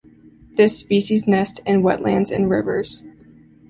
This species nests in wetlands and rivers.